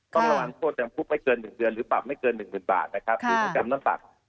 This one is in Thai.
ต้องระวังโทษมันไม่เกิน๑เดือนหรือปรับไม่เกิน๑หมื่นบาท